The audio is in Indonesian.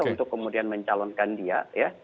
untuk kemudian mencalonkan dia